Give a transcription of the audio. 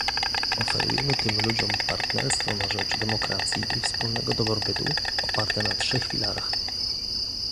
Oferujemy tym ludziom "partnerstwo na rzecz demokracji i wspólnego dobrobytu" oparte na trzech filarach